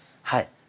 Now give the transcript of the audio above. はい。